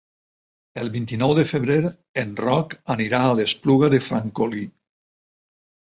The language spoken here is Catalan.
El vint-i-nou de febrer en Roc anirà a l'Espluga de Francolí.